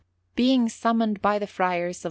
Being summoned by the Friars of S.